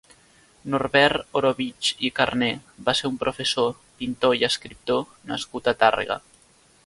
Norbert Orobitg i Carné va ser un professor, pintor i escriptor nascut a Tàrrega.